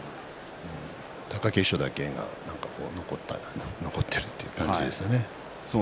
貴景勝だけがなんか残ったという感じですね。